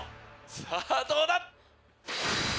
⁉さぁどうだ